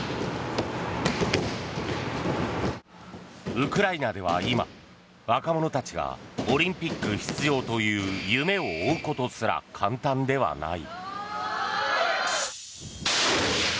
ウクライナでは今、若者たちがオリンピック出場という夢を追うことすら簡単ではない。